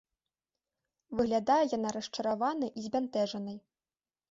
Выглядае яна расчараванай і збянтэжанай.